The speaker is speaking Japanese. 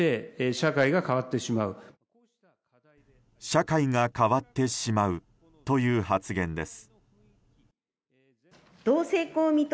社会が変わってしまうという発言です。